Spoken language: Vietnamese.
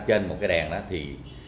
trên một cái đèn đó thì